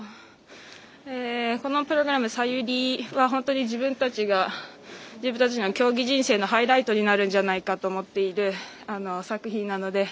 このプログラム「ＳＡＹＵＲＩ」は本当に自分たちの競技人生のハイライトになるんじゃないかと思っている作品なので。